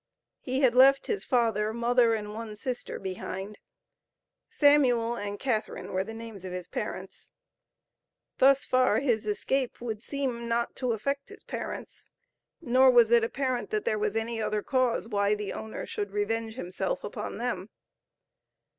He had left his father, mother, and one sister behind. Samuel and Catharine were the names of his parents. Thus far, his escape would seem not to affect his parents, nor was it apparent that there was any other cause why the owner should revenge himself upon them.